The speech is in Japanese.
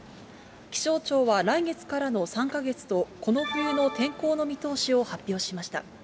気象庁は来月からの３か月と、この冬の天候の見通しを発表しました。